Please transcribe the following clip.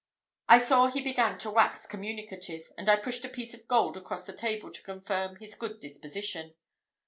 I saw he began to wax communicative, and I pushed a piece of gold across the table to confirm his good disposition.